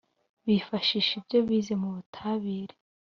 bifashisha ibyo bize mu butabire